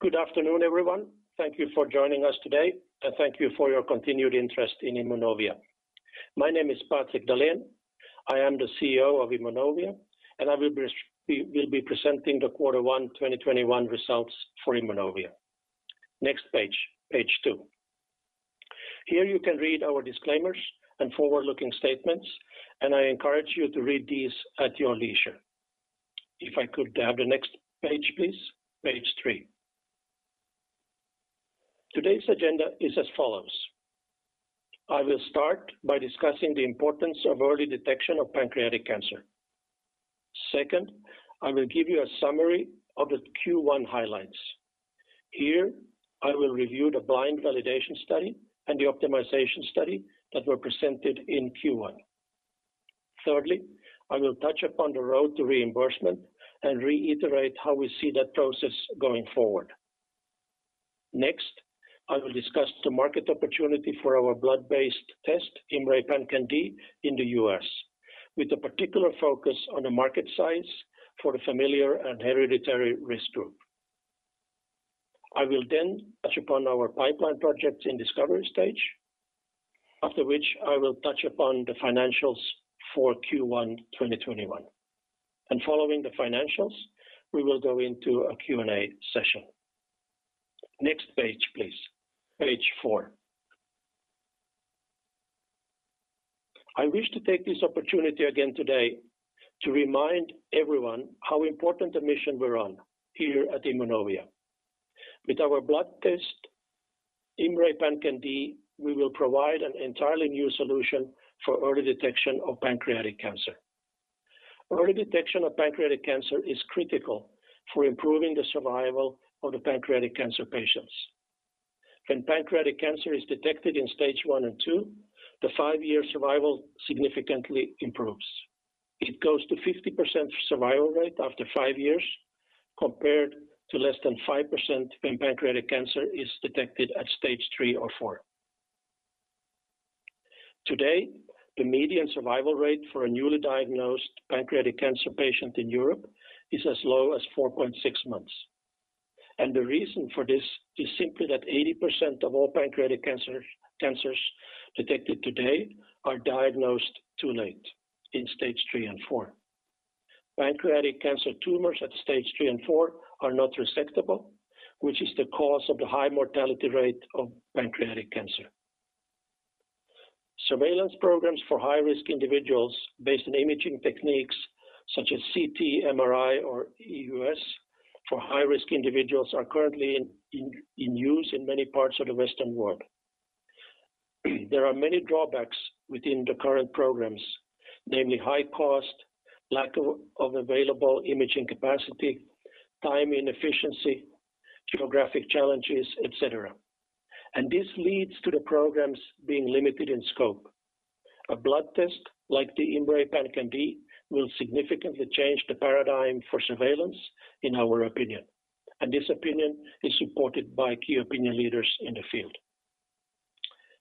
Good afternoon, everyone. Thank you for joining us today, and thank you for your continued interest in Immunovia. My name is Patrik Dahlen. I am the CEO of Immunovia, and I will be presenting the quarter one 2021 results for Immunovia. Next page two. Here you can read our disclaimers and forward-looking statements. I encourage you to read these at your leisure. If I could have the next page, please. Page three. Today's agenda is as follows. I will start by discussing the importance of early detection of pancreatic cancer. Second, I will give you a summary of the Q1 highlights. Here, I will review the blind validation study and the optimization study that were presented in Q1. Thirdly, I will touch upon the road to reimbursement and reiterate how we see that process going forward. Next, I will discuss the market opportunity for our blood-based test, IMMray PanCan-d, in the U.S., with a particular focus on the market size for the familial and hereditary risk group. I will then touch upon our pipeline projects in discovery stage, after which I will touch upon the financials for Q1 2021. Following the financials, we will go into a Q&A session. Next page, please. Page four. I wish to take this opportunity again today to remind everyone how important a mission we're on here at Immunovia. With our blood test, IMMray PanCan-d, we will provide an entirely new solution for early detection of pancreatic cancer. Early detection of pancreatic cancer is critical for improving the survival of the pancreatic cancer patients. When pancreatic cancer is detected in stage 1 and 2, the five-year survival significantly improves. It goes to 50% survival rate after five years, compared to less than 5% when pancreatic cancer is detected at stage 3 or 4. Today, the median survival rate for a newly diagnosed pancreatic cancer patient in Europe is as low as 4.6 months. The reason for this is simply that 80% of all pancreatic cancers detected today are diagnosed too late, in stage 3 and 4. Pancreatic cancer tumors at stage 3 and 4 are not resectable, which is the cause of the high mortality rate of pancreatic cancer. Surveillance programs for high-risk individuals based on imaging techniques such as CT, MRI, or EUS for high-risk individuals are currently in use in many parts of the Western world. There are many drawbacks within the current programs, namely high cost, lack of available imaging capacity, time inefficiency, geographic challenges, et cetera. This leads to the programs being limited in scope. A blood test like the IMMray PanCan-d will significantly change the paradigm for surveillance, in our opinion. This opinion is supported by key opinion leaders in the field.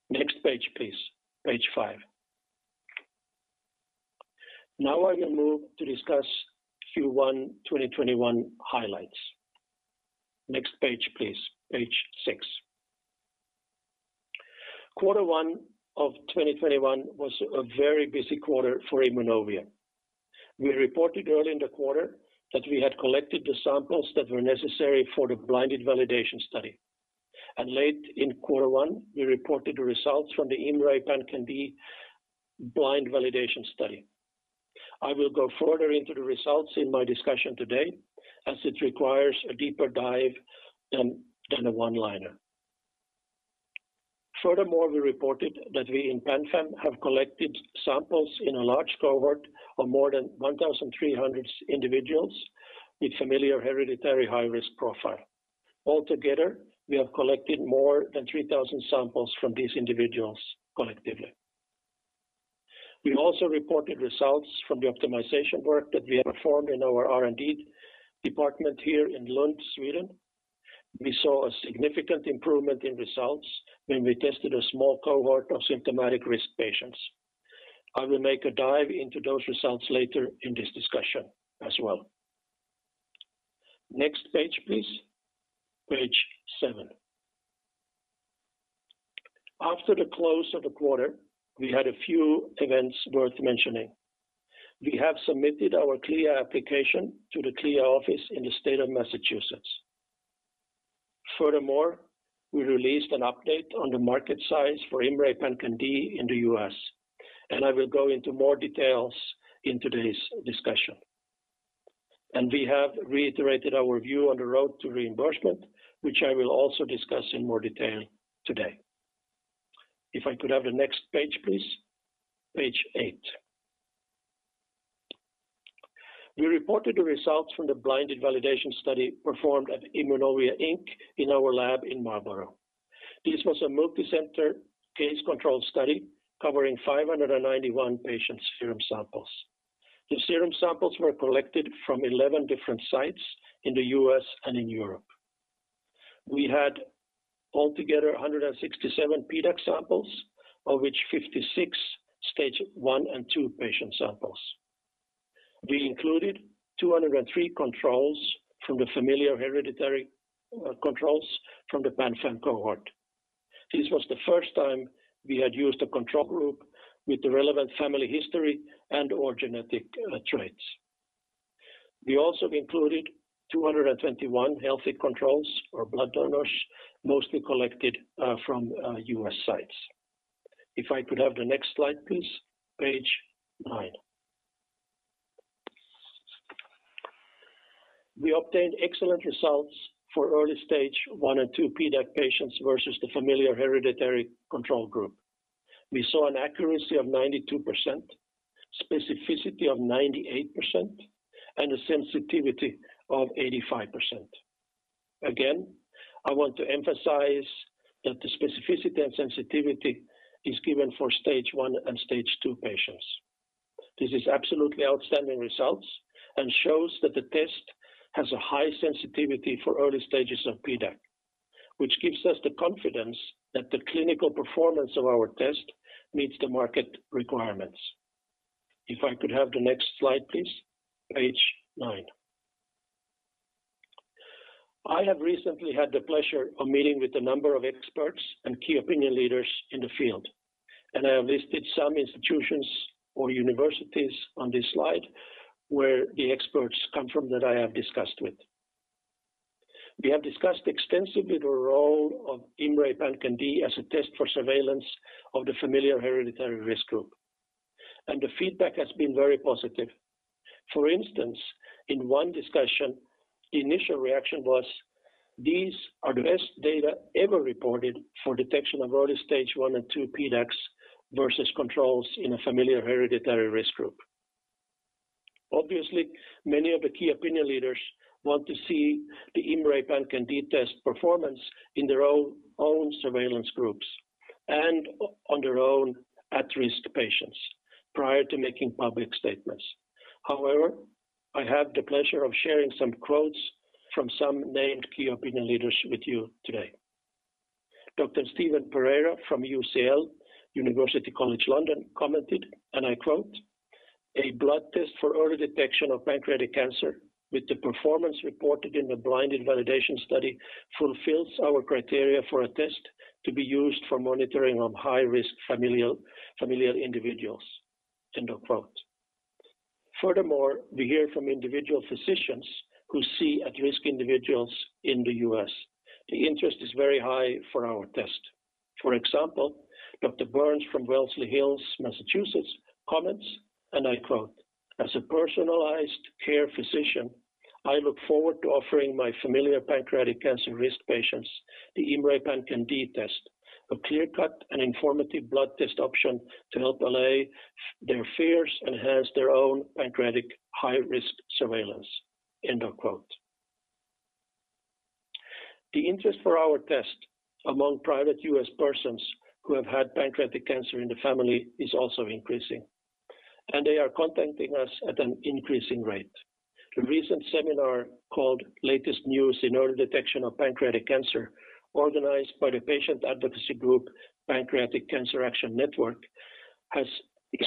Next page, please. Page five. Now I will move to discuss Q1 2021 highlights. Next page, please. Page six. Quarter one of 2021 was a very busy quarter for Immunovia. We reported early in the quarter that we had collected the samples that were necessary for the blinded validation study. Late in quarter one, we reported the results from the IMMray PanCan-d blind validation study. I will go further into the results in my discussion today, as it requires a deeper dive than a one-liner. Furthermore, we reported that we in PanFAM-1 have collected samples in a large cohort of more than 1,300 individuals with familial hereditary high-risk profile. Altogether, we have collected more than 3,000 samples from these individuals collectively. We also reported results from the optimization work that we have performed in our R&D department here in Lund, Sweden. We saw a significant improvement in results when we tested a small cohort of symptomatic risk patients. I will make a dive into those results later in this discussion as well. Next page, please. Page seven. After the close of the quarter, we had a few events worth mentioning. We have submitted our CLIA application to the CLIA office in the state of Massachusetts. Furthermore, we released an update on the market size for IMMray PanCan-d in the U.S. I will go into more details in today's discussion. We have reiterated our view on the road to reimbursement, which I will also discuss in more detail today. If I could have the next page, please. Page eight. We reported the results from the blinded validation study performed at Immunovia, Inc. in our lab in Marlborough. This was a multicenter case-control study covering 591 patients' serum samples. The serum samples were collected from 11 different sites in the U.S. and in Europe. We had altogether 167 PDAC samples, of which 56 stage 1 and 2 patient samples. We included 203 controls from the familial hereditary controls from the PanFAM cohort. This was the first time we had used a control group with the relevant family history and/or genetic traits. We also included 221 healthy controls or blood donors, mostly collected from U.S. sites. If I could have the next slide, please. Page nine. We obtained excellent results for early stage 1 and 2 PDAC patients versus the familiar hereditary control group. We saw an accuracy of 92%, specificity of 98%, and a sensitivity of 85%. Again, I want to emphasize that the specificity and sensitivity is given for stage I and stage II patients. This is absolutely outstanding results and shows that the test has a high sensitivity for early stages of PDAC, which gives us the confidence that the clinical performance of our test meets the market requirements. If I could have the next slide, please. Page nine. I have recently had the pleasure of meeting with a number of experts and key opinion leaders in the field, and I have listed some institutions or universities on this slide where the experts come from that I have discussed with. We have discussed extensively the role of IMMray PanCan-d as a test for surveillance of the familial hereditary risk group, and the feedback has been very positive. For instance, in one discussion, the initial reaction was, "These are the best data ever reported for detection of early stage 1 and 2 PDACs versus controls in a familial hereditary risk group." Obviously, many of the key opinion leaders want to see the IMMray PanCan-d test performance in their own surveillance groups and on their own at-risk patients prior to making public statements. However, I have the pleasure of sharing some quotes from some named key opinion leaders with you today. Dr. Stephen Pereira from UCL, University College London, commented, and I quote, "A blood test for early detection of pancreatic cancer with the performance reported in the blinded validation study fulfills our criteria for a test to be used for monitoring of high-risk familial individuals." End of quote. Furthermore, we hear from individual physicians who see at-risk individuals in the U.S. The interest is very high for our test. For example, Dr. Burns from Wellesley Hills, Massachusetts, comments, and I quote, "As a personalized care physician, I look forward to offering my familial pancreatic cancer risk patients the IMMray PanCan-d test, a clear-cut and informative blood test option to help allay their fears and enhance their own pancreatic high-risk surveillance." End of quote. The interest for our test among private U.S. persons who have had pancreatic cancer in the family is also increasing. They are contacting us at an increasing rate. The recent seminar called Latest News in Early Detection of Pancreatic Cancer, organized by the patient advocacy group Pancreatic Cancer Action Network, has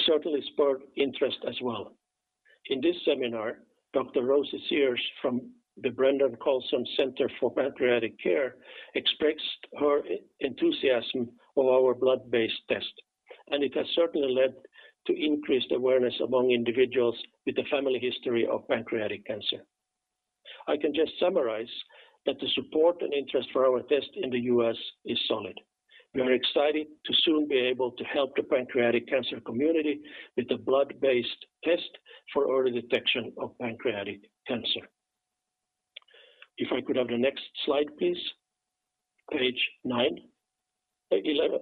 certainly sparked interest as well. In this seminar, Dr. Rosalie Sears from the Brenden-Colson Center for Pancreatic Care expressed her enthusiasm for our blood-based test. It has certainly led to increased awareness among individuals with a family history of pancreatic cancer. I can just summarize that the support and interest for our test in the U.S. is solid. We are excited to soon be able to help the pancreatic cancer community with the blood-based test for early detection of pancreatic cancer. If I could have the next slide, please. Page nine. 11,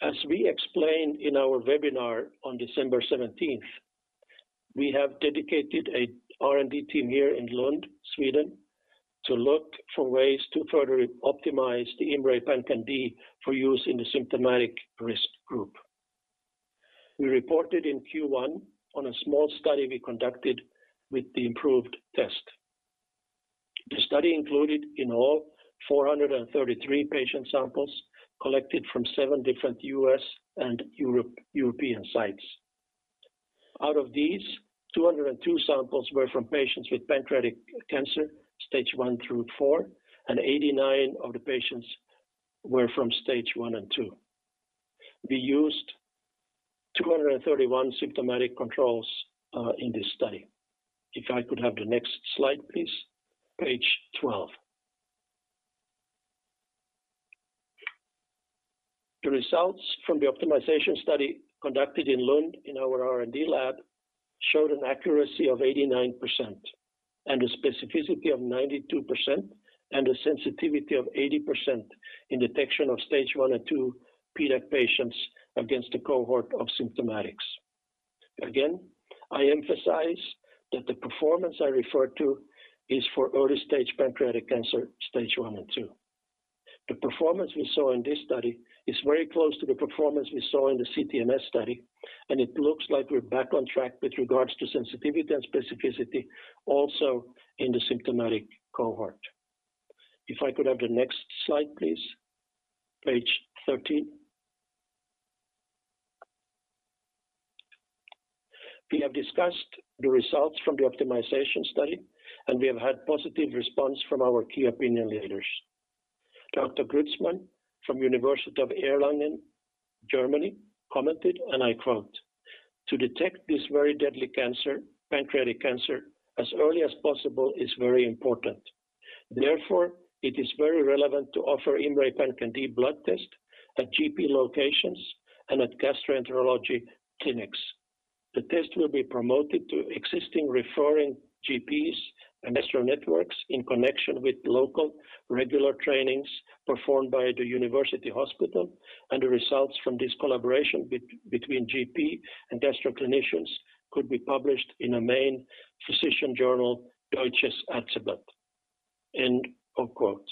sorry. As we explained in our webinar on December 17th, we have dedicated an R&D team here in Lund, Sweden, to look for ways to further optimize the IMMray PanCan-d for use in the symptomatic risk group. We reported in Q1 on a small study we conducted with the improved test. The study included in all 433 patient samples collected from seven different U.S. and European sites. Out of these, 202 samples were from patients with pancreatic cancer stage 1 through 4, and 89 of the patients were from stage 1 and 2. We used 231 symptomatic controls in this study. If I could have the next slide, please. Page 12. The results from the optimization study conducted in Lund in our R&D lab showed an accuracy of 89% and, a specificity of 92%, and a sensitivity of 80% in detection of stage 1 and 2 PDAC patients against a cohort of symptomatics. Again, I emphasize that the performance I refer to is for early-stage pancreatic cancer stage 1 and 2. The performance we saw in this study is very close to the performance we saw in the CTMS study, and it looks like we're back on track with regards to sensitivity and specificity, also in the symptomatic cohort. If I could have the next slide, please. Page 13. We have discussed the results from the optimization study, and we have had positive response from our key opinion leaders. Dr. Grützmann from University of Erlangen, Germany, commented, and I quote, "To detect this very deadly cancer, pancreatic cancer, as early as possible is very important. Therefore, it is very relevant to offer IMMray PanCan-d blood test at GP locations and at gastroenterology clinics. The test will be promoted to existing referring GPs and gastro networks in connection with local regular trainings performed by the university hospital, and the results from this collaboration between GP and gastro clinicians could be published in a main physician journal, Deutsches Ärzteblatt." End of quote.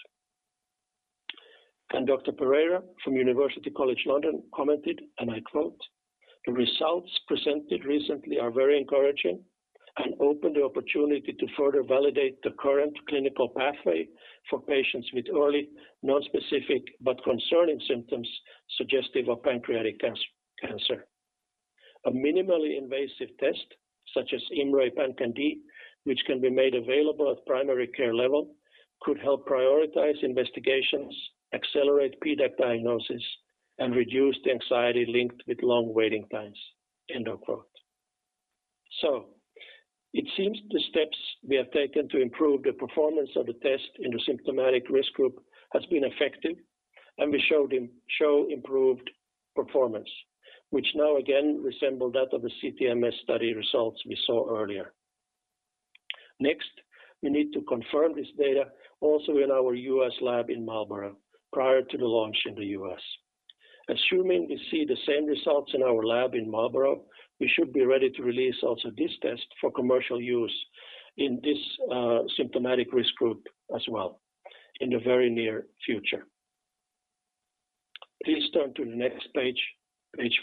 Dr. Pereira from University College London commented, and I quote, "The results presented recently are very encouraging and open the opportunity to further validate the current clinical pathway for patients with early, nonspecific but concerning symptoms suggestive of pancreatic cancer. A minimally invasive test, such as IMMray PanCan-d, which can be made available at primary care level, could help prioritize investigations, accelerate PDAC diagnosis, and reduce the anxiety linked with long waiting times." End of quote. It seems the steps we have taken to improve the performance of the test in the symptomatic risk group has been effective, and we show improved performance, which now again resemble that of the CTMS study results we saw earlier. Next, we need to confirm this data also in our U.S. lab in Marlborough prior to the launch in the U.S. Assuming we see the same results in our lab in Marlborough, we should be ready to release also this test for commercial use in this symptomatic risk group as well in the very near future. Please turn to the next page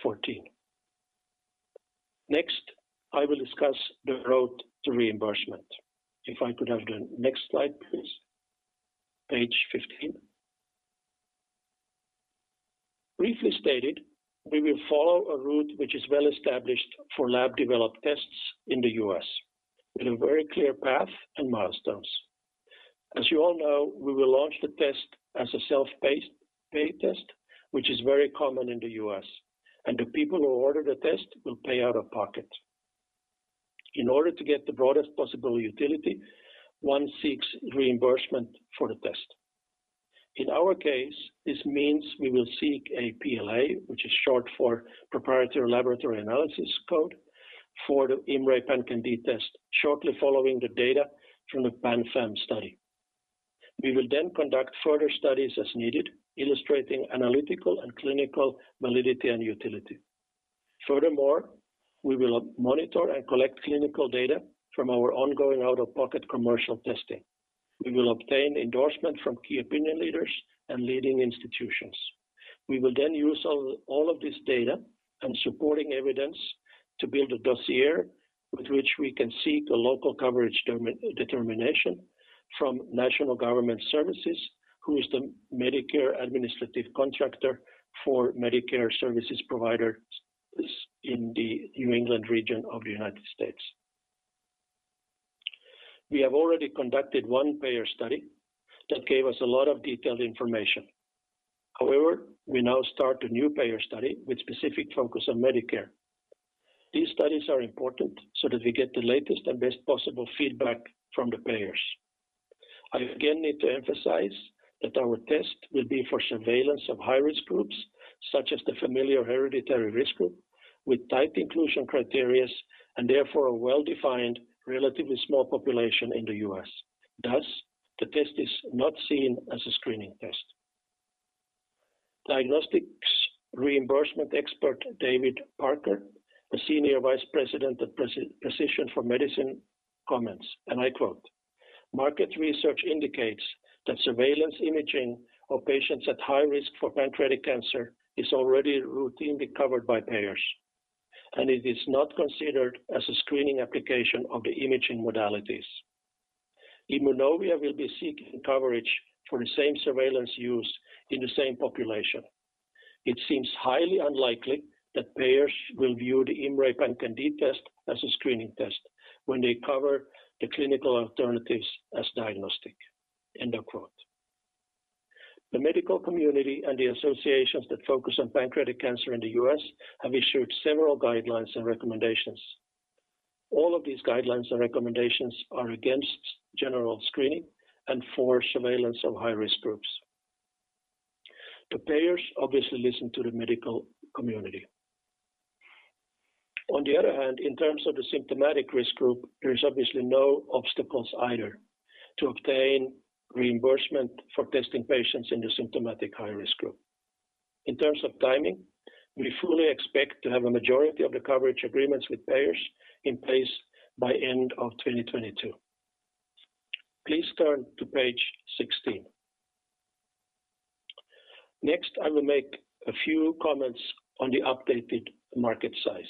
14. Next, I will discuss the road to reimbursement. If I could have the next slide, please. Page 15. Briefly stated, we will follow a route which is well established for laboratory-developed tests in the U.S., with a very clear path and milestones. As you all know, we will launch the test as a self-pay test, which is very common in the U.S. The people who order the test will pay out of pocket. In order to get the broadest possible utility, one seeks reimbursement for the test. In our case, this means we will seek a PLA, which is short for Proprietary Laboratory Analyses code, for the IMMray PanCan-d test shortly following the data from the PanFAM study. We will conduct further studies as needed, illustrating analytical and clinical validity and utility. Furthermore, we will monitor and collect clinical data from our ongoing out-of-pocket commercial testing. We will obtain endorsement from key opinion leaders and leading institutions. We will then use all of this data and supporting evidence to build a dossier with which we can seek a local coverage determination from National Government Services, who is the Medicare administrative contractor for Medicare services providers in the New England region of the U.S. We have already conducted one payer study that gave us a lot of detailed information. However, we now start a new payer study with specific focus on Medicare. These studies are important so that we get the latest and best possible feedback from the payers. I again need to emphasize that our test will be for surveillance of high-risk groups, such as the familiar hereditary risk group, with tight inclusion criteria and therefore a well-defined, relatively small population in the U.S. Thus, the test is not seen as a screening test. Diagnostics reimbursement expert David Parker, a senior vice president at Precision for Medicine, comments, and I quote, "Market research indicates that surveillance imaging of patients at high risk for pancreatic cancer is already routinely covered by payers, and it is not considered as a screening application of the imaging modalities. Immunovia will be seeking coverage for the same surveillance use in the same population. It seems highly unlikely that payers will view the IMMray PanCan-d test as a screening test when they cover the clinical alternatives as diagnostic." End of quote. The medical community and the associations that focus on pancreatic cancer in the U.S. have issued several guidelines and recommendations. All of these guidelines and recommendations are against general screening and for surveillance of high-risk groups. The payers obviously listen to the medical community. On the other hand, in terms of the symptomatic risk group, there is obviously no obstacles either to obtain reimbursement for testing patients in the symptomatic high-risk group. In terms of timing, we fully expect to have a majority of the coverage agreements with payers in place by end of 2022. Please turn to page 16. I will make a few comments on the updated market size.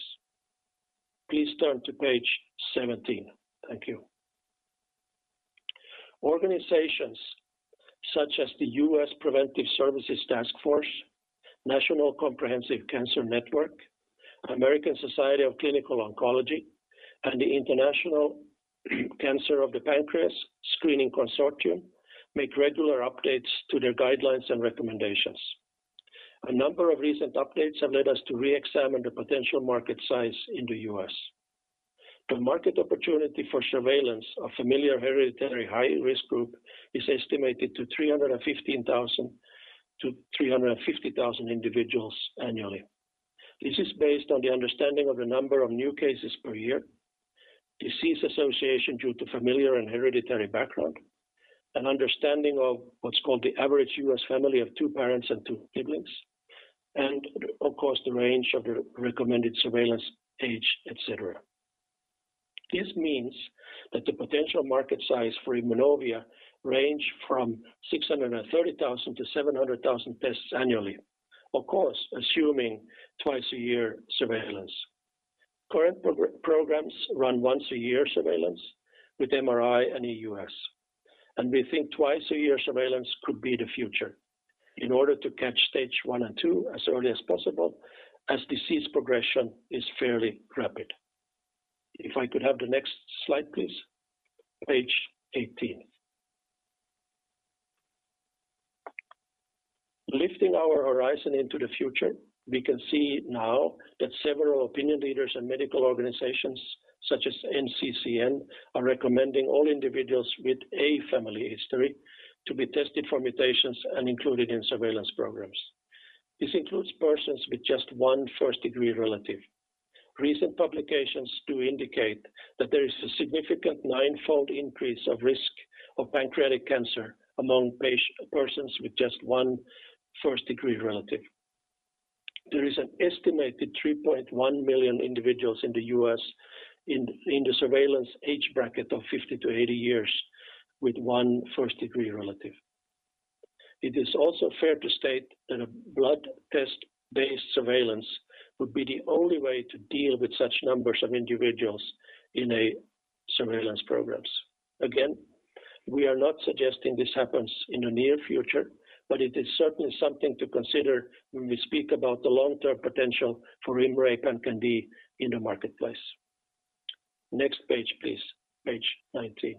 Please turn to page 17. Thank you. Organizations such as the U.S. Preventive Services Task Force, National Comprehensive Cancer Network, American Society of Clinical Oncology, and the International Cancer of the Pancreas Screening Consortium make regular updates to their guidelines and recommendations. A number of recent updates have led us to re-examine the potential market size in the U.S. The market opportunity for surveillance of familiar hereditary high-risk group is estimated to 315,000-350,000 individuals annually. This is based on the understanding of the number of new cases per year, disease association due to familiar and hereditary background, an understanding of what's called the average U.S. family of two parents and two siblings, and, of course, the range of the recommended surveillance age, et cetera. This means that the potential market size for Immunovia range from 630,000-700,000 tests annually, of course, assuming twice-a-year surveillance. Current programs run once-a-year surveillance with MRI and EUS, and we think twice-a-year surveillance could be the future in order to catch stage 1 and 2 as early as possible, as disease progression is fairly rapid. If I could have the next slide, please, page 18. Lifting our horizon into the future, we can see now that several opinion leaders and medical organizations, such as NCCN, are recommending all individuals with a family history to be tested for mutations and included in surveillance programs. This includes persons with just one first-degree relative. Recent publications do indicate that there is a significant ninefold increase of risk of pancreatic cancer among persons with just one first-degree relative. There is an estimated 3.1 million individuals in the U.S. in the surveillance age bracket of 50-80 years with one first-degree relative. It is also fair to state that a blood test-based surveillance would be the only way to deal with such numbers of individuals in a surveillance programs. We are not suggesting this happens in the near future. It is certainly something to consider when we speak about the long-term potential for IMMray PanCan-d in the marketplace. Next page, please, page 19.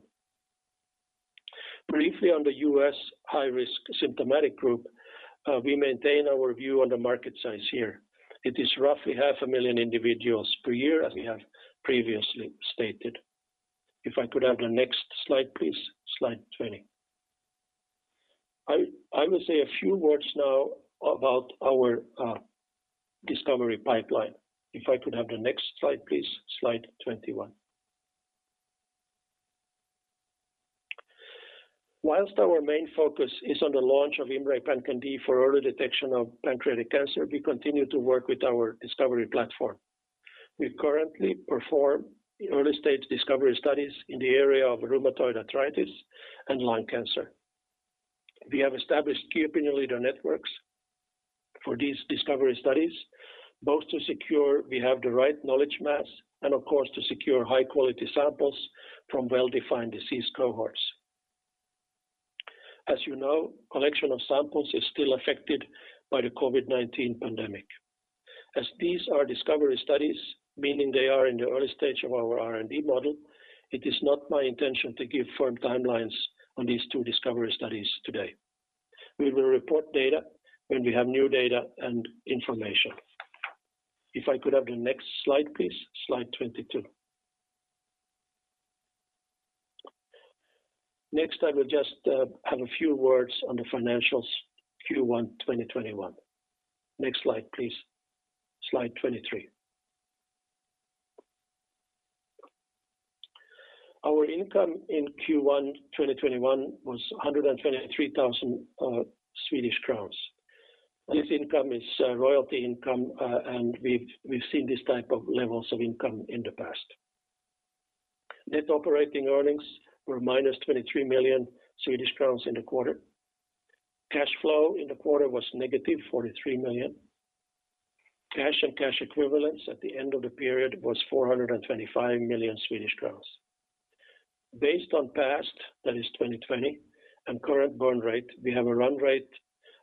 Briefly on the U.S. high-risk symptomatic group, we maintain our view on the market size here. It is roughly half a million individuals per year, as we have previously stated. If I could have the next slide, please, slide 20. I will say a few words now about our discovery pipeline. If I could have the next slide, please, slide 21. While our main focus is on the launch of IMMray PanCan-d for early detection of pancreatic cancer, we continue to work with our discovery platform. We currently perform early-stage discovery studies in the area of rheumatoid arthritis and lung cancer. We have established key opinion leader networks for these discovery studies, both to secure we have the right knowledge mass and, of course, to secure high-quality samples from well-defined disease cohorts. As you know, collection of samples is still affected by the COVID-19 pandemic. As these are discovery studies, meaning they are in the early stage of our R&D model, it is not my intention to give firm timelines on these two discovery studies today. We will report data when we have new data and information. If I could have the next slide, please, slide 22. Next, I will just have a few words on the financials Q1 2021. Next slide, please, slide 23. Our income in Q1 2021 was 123,000 Swedish crowns. This income is royalty income, and we've seen this type of levels of income in the past. Net operating earnings were -23 million Swedish crowns in the quarter. Cash flow in the quarter was -43 million. Cash and cash equivalents at the end of the period was 425 million Swedish crowns. Based on past, that is 2020, and current burn rate, we have a run rate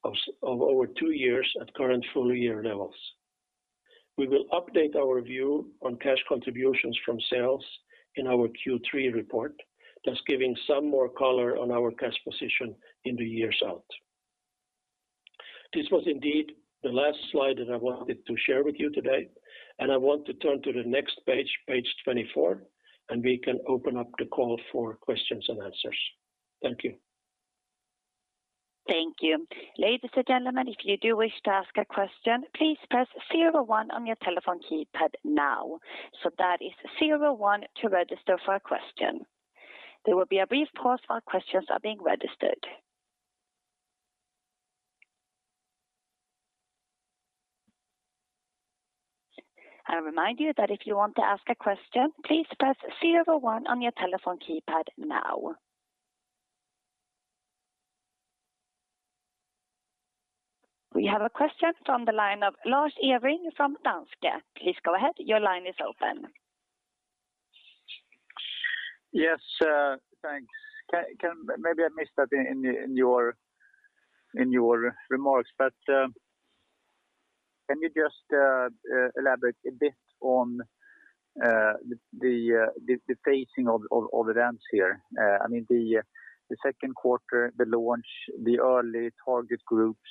of over two years at current full-year levels. We will update our view on cash contributions from sales in our Q3 report, thus giving some more color on our cash position in the years out. This was indeed the last slide that I wanted to share with you today, and I want to turn to the next page, 24, and we can open up the call for questions and answers. Thank you. Thank you. Ladies and gentlemen, if you do wish to ask a question, please press zero one on your telephone keypad now. That is zero one to register for a question. There will be a brief pause while questions are being registered. I remind you that if you want to ask a question, please press zero on your telephone keypad now. We have a question from the line of Lars Hevreng from Danske. Please go ahead. Your line is open. Yes. Thanks. Maybe I missed that in your remarks, but can you just elaborate a bit on the pacing of the events here? The second quarter, the launch, the early target groups,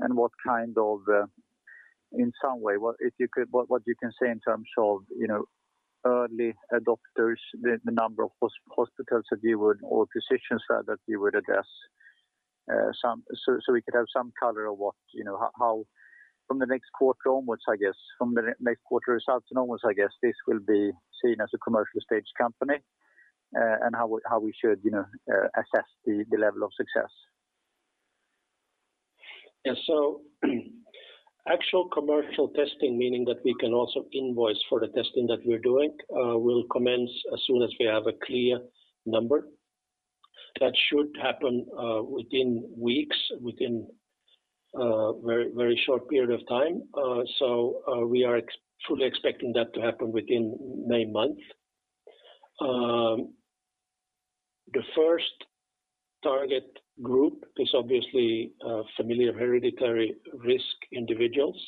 and what you can say in terms of early adopters, the number of hospitals or physicians that you would address, so we could have some color of how, from the next quarter results onwards, this will be seen as a commercial stage company, and how we should assess the level of success. Yes. Actual commercial testing, meaning that we can also invoice for the testing that we're doing, will commence as soon as we have a clear number. That should happen within weeks, within a very short period of time. We are truly expecting that to happen within May month. The first target group is obviously familiar hereditary risk individuals.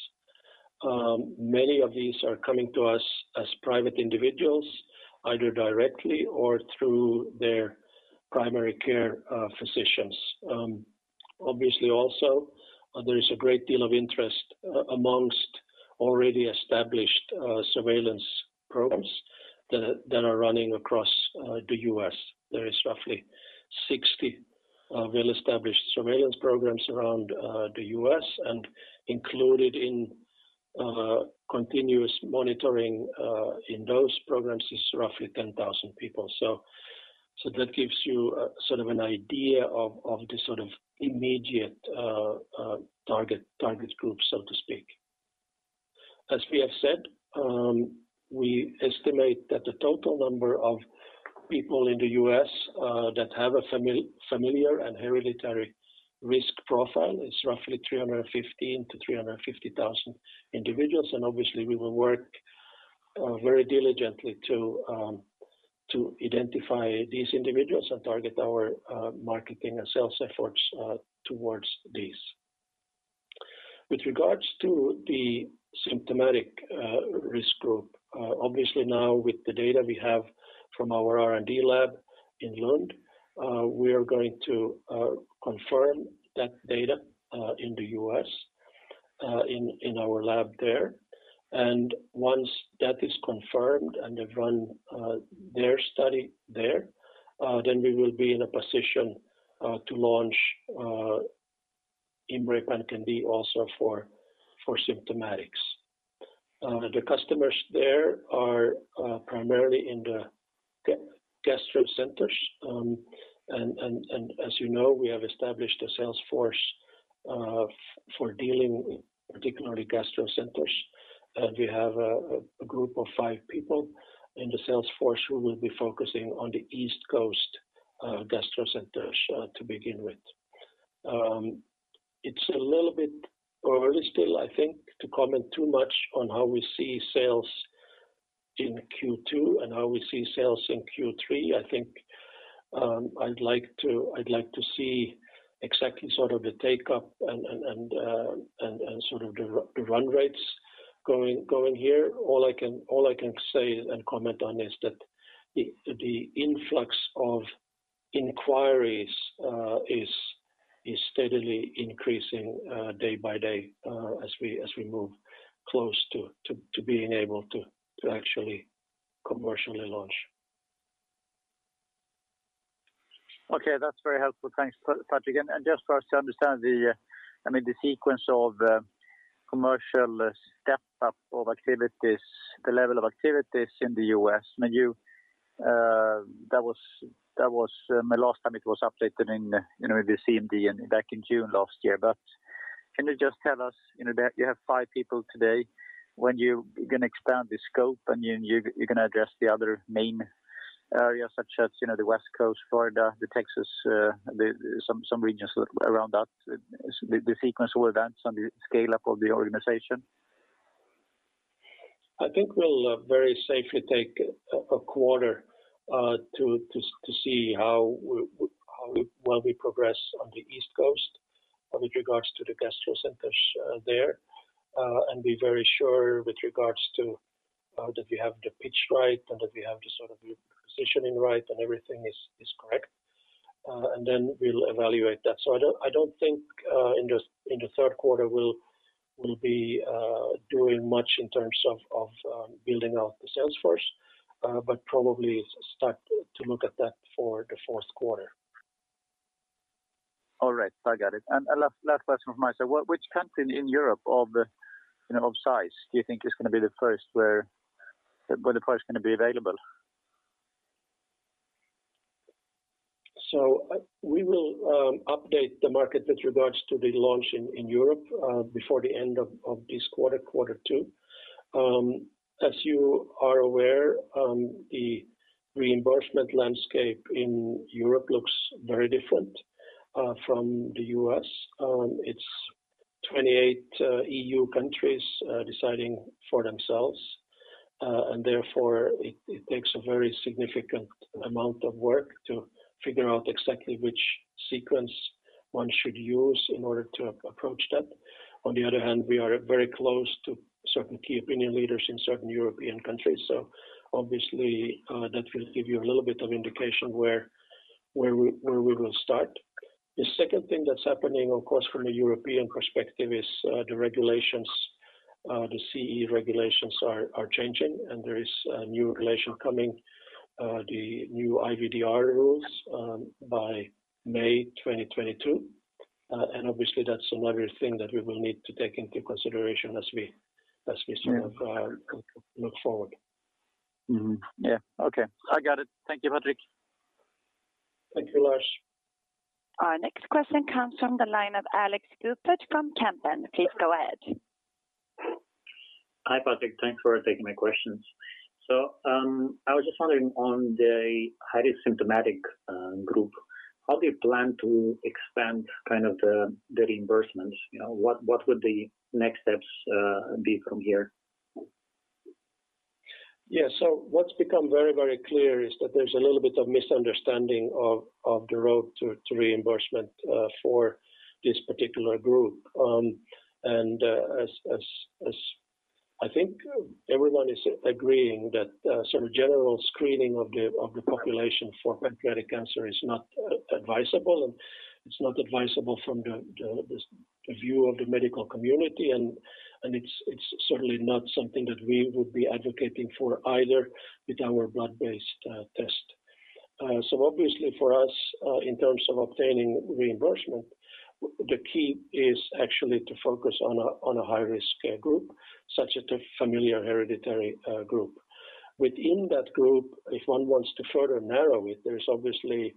Many of these are coming to us as private individuals, either directly or through their primary care physicians. Obviously, also, there is a great deal of interest amongst already established surveillance programs that are running across the U.S. There is roughly 60 well-established surveillance programs around the U.S., and included in continuous monitoring in those programs is roughly 10,000 people. That gives you an idea of the immediate target groups, so to speak. As we have said, we estimate that the total number of people in the U.S. that have a familiar and hereditary risk profile is roughly 315,000 to 350,000 individuals. Obviously, we will work very diligently to identify these individuals and target our marketing and sales efforts towards these. With regards to the symptomatic risk group, obviously, now with the data we have from our R&D lab in Lund, we are going to confirm that data in the U.S. in our lab there. Once that is confirmed and they've run their study there, then we will be in a position to launch IMMray PanCan-d also for symptomatics. The customers there are primarily in the gastro centers. As you know, we have established a sales force for dealing with particularly gastro centers. We have a group of five people in the sales force who will be focusing on the East Coast gastro centers to begin with. It's a little bit early still, I think, to comment too much on how we see sales in Q2 and how we see sales in Q3. I think I'd like to see exactly the take-up and the run rates going here. All I can say and comment on is that the influx of inquiries is steadily increasing day by day as we move close to being able to actually commercially launch. Okay. That's very helpful. Thanks, Patrik. Just for us to understand the sequence of commercial step-up of activities, the level of activities in the U.S. The last time it was updated in the CMD back in June last year. Can you just tell us, you have five people today, when you're going to expand the scope, and you're going to address the other main areas, such as the West Coast, Florida, Texas, some regions around that, the sequence of events and the scale-up of the organization? I think we'll very safely take a quarter to see how well we progress on the East Coast with regards to the gastro centers there, and be very sure with regards to that we have the pitch right, and that we have the positioning right, and everything is correct. Then we'll evaluate that. I don't think in the third quarter we'll be doing much in terms of building out the sales force. Probably start to look at that for the fourth quarter. All right, I got it. Last question from myself, which country in Europe of size do you think is going to be the first where the product's going to be available? We will update the market with regards to the launch in Europe before the end of this quarter two. As you are aware, the reimbursement landscape in Europe looks very different from the U.S. It's 28 EU countries deciding for themselves, therefore it takes a very significant amount of work to figure out exactly which sequence one should use in order to approach that. On the other hand, we are very close to certain key opinion leaders in certain European countries. Obviously, that will give you a little bit of indication where we will start. The second thing that's happening, of course, from a European perspective, is the CE regulations are changing, there is a new regulation coming, the new IVDR rules, by May 2022. Obviously, that's another thing that we will need to take into consideration as we sort of look forward. Yeah. Okay. I got it. Thank you, Patrik. Thank you, Lars. Our next question comes from the line of Alex Cogut from Kempen. Please go ahead. Hi, Patrik. Thanks for taking my questions. I was just wondering on the highly symptomatic group, how do you plan to expand the reimbursements? What would the next steps be from here? What's become very clear is that there's a little bit of misunderstanding of the road to reimbursement for this particular group. As I think everyone is agreeing that general screening of the population for pancreatic cancer is not advisable, and it's not advisable from the view of the medical community, and it's certainly not something that we would be advocating for either with our blood-based test. Obviously, for us, in terms of obtaining reimbursement, the key is actually to focus on a high-risk group, such as the familiar hereditary group. Within that group, if one wants to further narrow it, there's obviously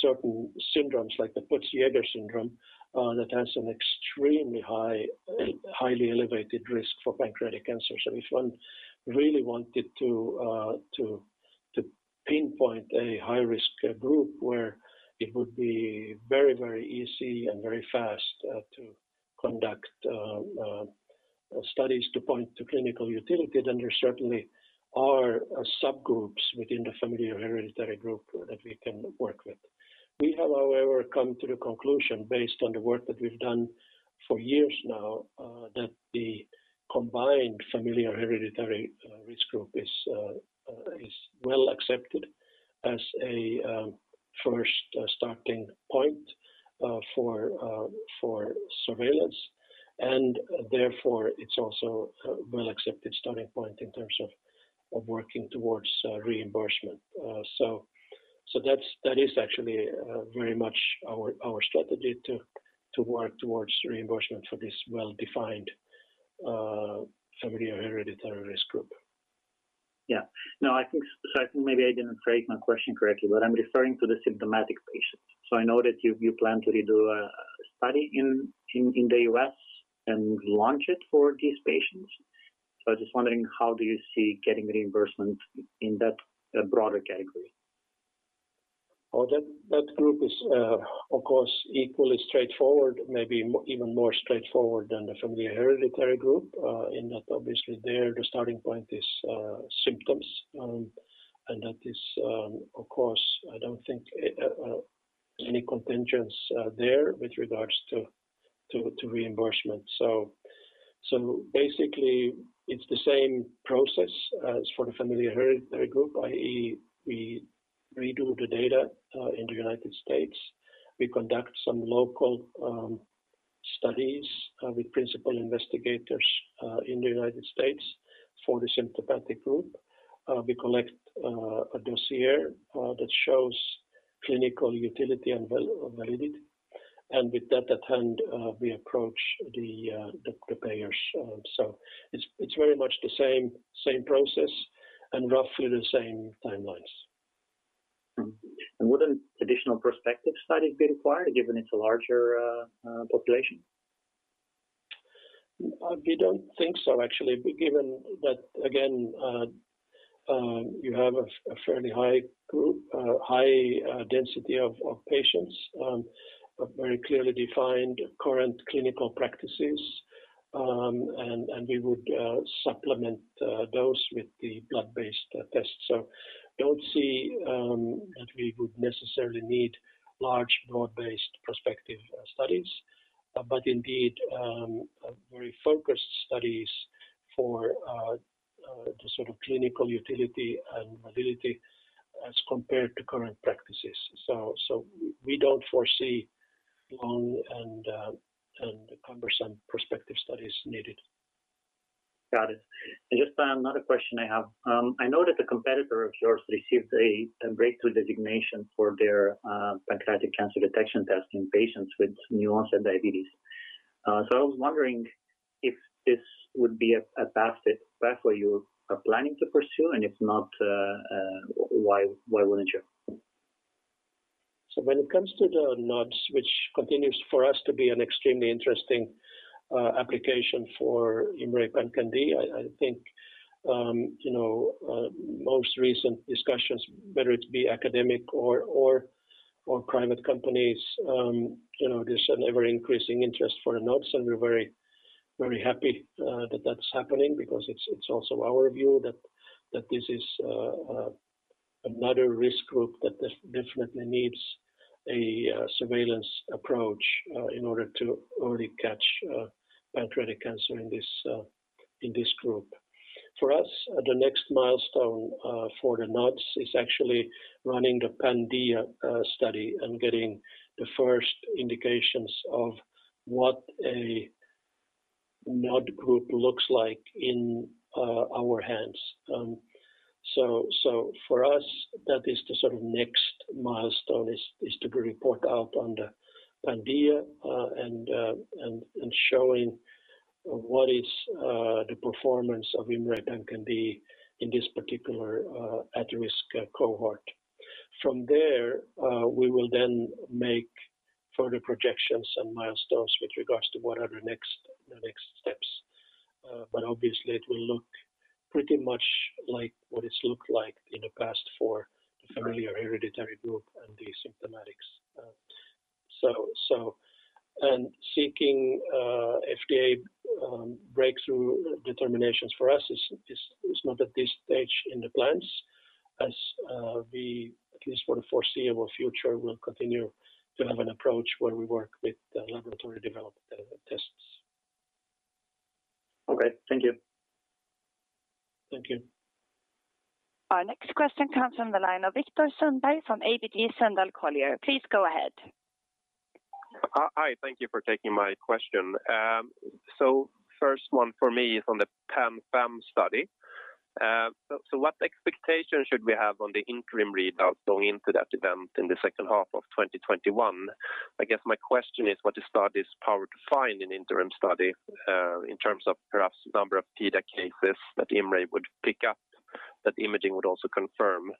certain syndromes like the Peutz-Jeghers syndrome that has an extremely highly elevated risk for pancreatic cancer. If one really wanted to pinpoint a high-risk group where it would be very easy and very fast to conduct studies to point to clinical utility, then there certainly are subgroups within the familial hereditary group that we can work with. We have, however, come to the conclusion based on the work that we've done for years now, that the combined familial hereditary risk group is well accepted as a first starting point for surveillance, and therefore it's also a well-accepted starting point in terms of working towards reimbursement. That is actually very much our strategy to work towards reimbursement for this well-defined familial hereditary risk group. Yeah. No, I think maybe I didn't phrase my question correctly, but I'm referring to the symptomatic patients. I know that you plan to redo a study in the U.S. and launch it for these patients. I was just wondering, how do you see getting reimbursement in that broader category? Oh, that group is, of course, equally straightforward, maybe even more straightforward than the familiar hereditary group, in that obviously there the starting point is symptoms. That is, of course, I don't think any contingents are there with regards to reimbursement. Basically, it's the same process as for the familiar hereditary group, i.e., we redo the data in the United States. We conduct some local studies with principal investigators in the United States for the symptomatic group. We collect a dossier that shows clinical utility and validity. With that at hand, we approach the payers. It's very much the same process and roughly the same timelines. Would an additional perspective study be required, given it's a larger population? We don't think so, actually, given that, again, you have a fairly high density of patients, very clearly defined current clinical practices, and we would supplement those with the blood-based test. Don't see that we would necessarily need large, broad-based prospective studies. Indeed, very focused studies for the sort of clinical utility and validity as compared to current practices. We don't foresee long and cumbersome prospective studies needed. Got it. Just another question I have. I know that a competitor of yours received a breakthrough designation for their pancreatic cancer detection test in patients with new-onset diabetes. I was wondering if this would be a path that you are planning to pursue, and if not, why wouldn't you? When it comes to the NODs, which continues for us to be an extremely interesting application for IMMray PanCan-d, I think most recent discussions, whether it be academic or private companies, there's an ever-increasing interest for the NODs, and we're very happy that that's happening because it's also our view that this is another risk group that definitely needs a surveillance approach in order to early catch pancreatic cancer in this group. For us, the next milestone for the NODs is actually running the PanDIA study and getting the first indications of what a NOD group looks like in our hands. For us, that is the sort of next milestone is to report out on the PanDIA and showing what is the performance of IMMray PanCan-d in this particular at-risk cohort. From there, we will then make further projections and milestones with regards to what are the next steps. Obviously, it will look pretty much like what it's looked like in the past for the familiar hereditary group and the symptomatics. Seeking FDA breakthrough determinations for us is not at this stage in the plans, as we, at least for the foreseeable future, will continue to have an approach where we work with laboratory-developed tests. Okay. Thank you. Thank you. Our next question comes from the line of Viktor Sundberg from ABG Sundal Collier. Please go ahead. Hi, thank you for taking my question. First one for me is on the PanFAM-1 study. What expectation should we have on the interim readout going into that event in the second half of 2021? I guess my question is what the study is powered to find in interim study in terms of perhaps number of PDAC cases that IMMray would pick up, that imaging would also confirm.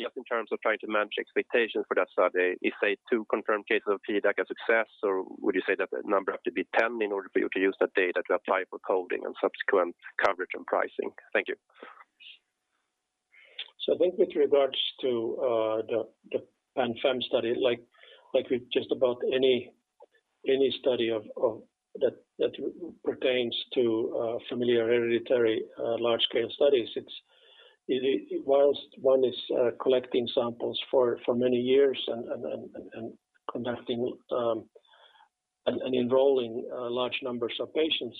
Just in terms of trying to manage expectations for that study, is say two confirmed cases of PDAC a success, or would you say that the number have to be 10 in order for you to use that data to apply for coding and subsequent coverage and pricing? Thank you. I think with regards to the PanFAM-1 study, like with just about any study that pertains to familiar hereditary large-scale studies, whilst one is collecting samples for many years and enrolling large numbers of patients,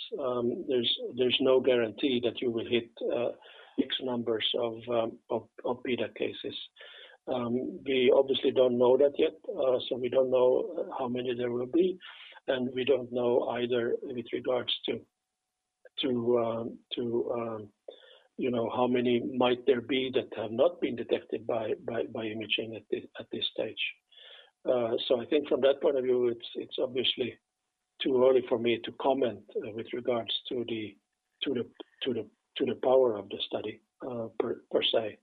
there's no guarantee that you will hit X numbers of PDAC cases. We obviously don't know that yet. We don't know how many there will be, and we don't know either with regards to how many might there be that have not been detected by imaging at this stage. I think from that point of view, it's obviously too early for me to comment with regards to the power of the study per se.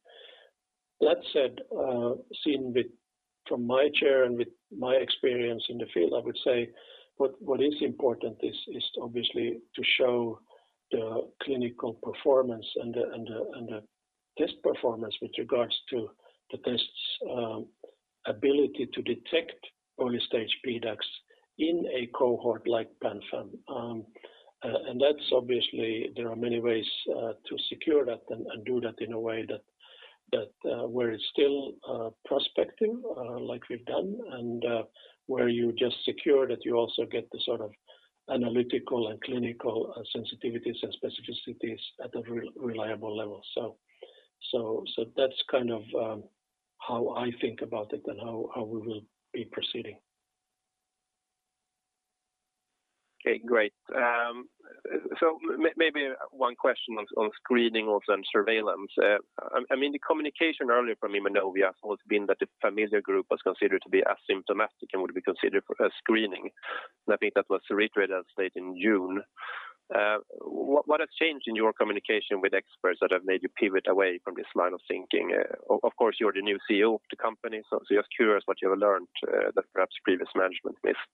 That said, seeing from my chair and with my experience in the field, I would say what is important is obviously to show the clinical performance and the test performance with regards to the test's ability to detect early-stage PDAC in a cohort like PanFAM-1. Obviously, there are many ways to secure that and do that in a way that we're still prospecting, like we've done, and where you just secure that you also get the sort of analytical and clinical sensitivities and specificities at a reliable level. That's kind of how I think about it and how we will be proceeding. Okay, great. Maybe one question on screening or on surveillance. The communication earlier from Immunovia has always been that the familial group was considered to be asymptomatic and would be considered for a screening, and I think that was reiterated late in June. What has changed in your communication with experts that have made you pivot away from this line of thinking? Of course, you are the new CEO of the company, so just curious what you have learned that perhaps previous management missed.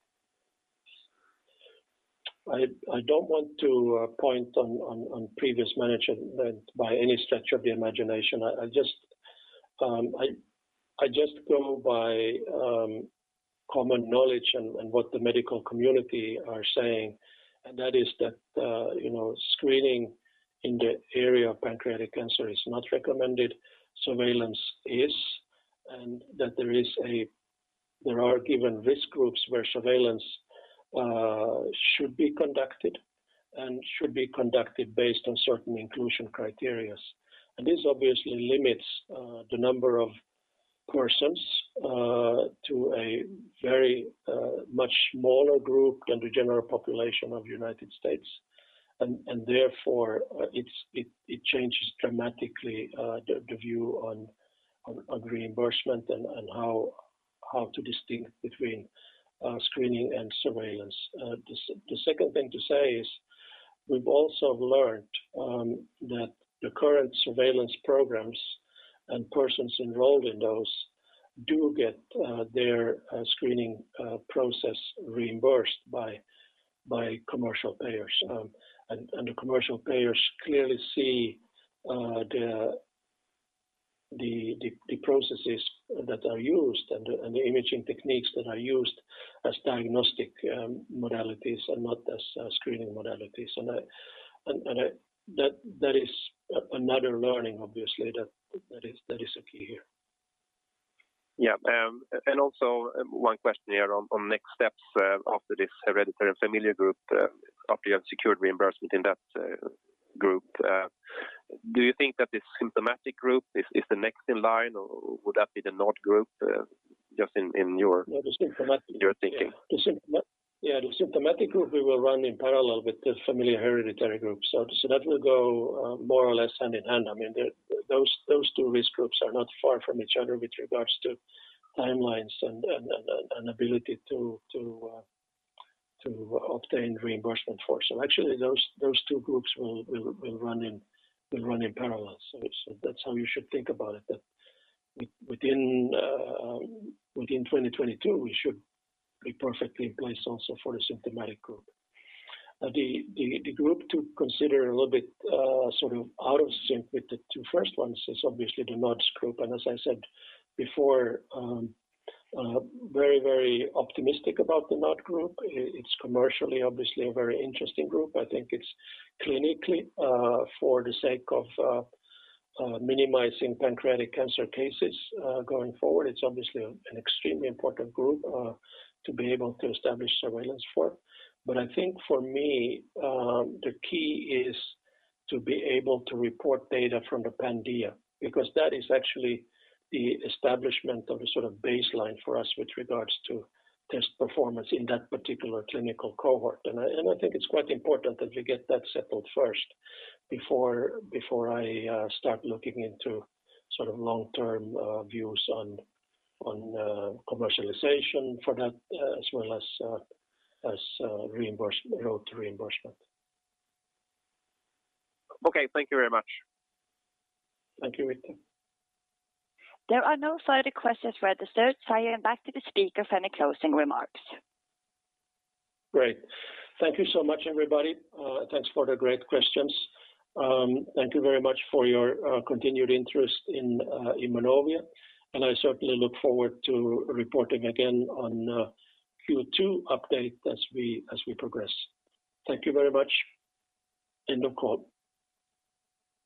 I don't want to point on previous management by any stretch of the imagination. I just go by common knowledge and what the medical community are saying, and that is that screening in the area of pancreatic cancer is not recommended. Surveillance is, and that there are given risk groups where surveillance should be conducted and should be conducted based on certain inclusion criteria. This obviously limits the number of persons to a very much smaller group than the general population of the United States. Therefore, it changes dramatically the view on reimbursement and how to distinguish between screening and surveillance. The second thing to say is we've also learned that the current surveillance programs and persons enrolled in those do get their screening process reimbursed by commercial payers. The commercial payers clearly see the processes that are used and the imaging techniques that are used as diagnostic modalities and not as screening modalities. That is another learning, obviously, that is a key here. Yeah. Also, one question here on next steps after this hereditary familial group, after you have secured reimbursement in that group. Do you think that this symptomatic group is the next in line, or would that be the NOD group? Yeah, the symptomatic. Your thinking. Yeah. The symptomatic group we will run in parallel with the familiar hereditary group. That will go more or less hand in hand. Those two risk groups are not far from each other with regards to timelines and ability to obtain reimbursement for. Actually, those two groups will run in parallel. That's how you should think about it, that within 2022, we should be perfectly in place also for the symptomatic group. The group to consider a little bit sort of out of sync with the two first ones is obviously the NOD group. As I said before, very optimistic about the NOD group. It's commercially obviously a very interesting group. I think it's clinically for the sake of minimizing pancreatic cancer cases going forward. It's obviously an extremely important group to be able to establish surveillance for. I think for me, the key is to be able to report data from the PanDIA, because that is actually the establishment of a sort of baseline for us with regards to test performance in that particular clinical cohort. I think it's quite important that we get that settled first before I start looking into sort of long-term views on commercialization for that, as well as road to reimbursement. Okay. Thank you very much. Thank you, Viktor. There are no further questions registered. I am back to the speaker for any closing remarks. Great. Thank you so much, everybody. Thanks for the great questions. Thank you very much for your continued interest in Immunovia, and I certainly look forward to reporting again on Q2 update as we progress. Thank you very much. End of call.